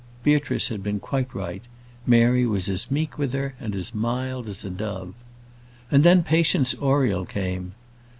Beatrice had been quite right. Mary was as meek with her, and as mild as a dove. And then Patience Oriel came.